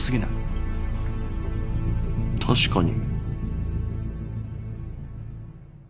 確かに。